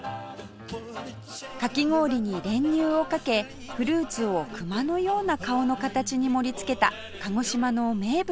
かき氷に練乳をかけフルーツを熊のような顔の形に盛り付けた鹿児島の名物です